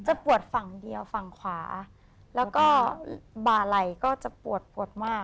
ปวดฝั่งเดียวฝั่งขวาแล้วก็บาลัยก็จะปวดปวดมาก